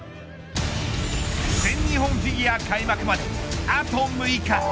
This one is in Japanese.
全日本フィギュア開幕まであと６日。